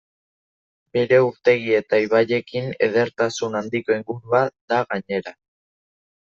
Bere urtegi eta ibaiekin edertasun handiko ingurua da gainera.